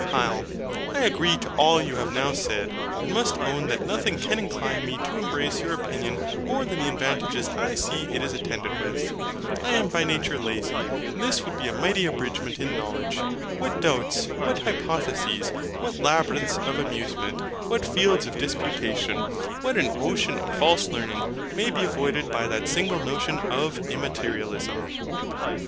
HYL. I agree to all you have now said, and must own that nothing can incline me to embrace your opinion more than the advantages I see it is attended with. I am by nature lazy; and this would be a mighty abridgment in knowledge. What doubts, what hypotheses, what labyrinths of amusement, what fields of disputation, what an ocean of false learning, may be avoided by that single notion of IMMATERIALISM!